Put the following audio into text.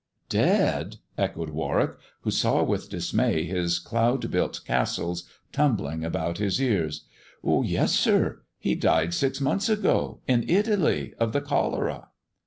"Dead?" echoed Warwick, who saw with dismay his cloud built castles tumbling about his ears. "Yes, sir. He died six months ago, in Italy, of the cholera."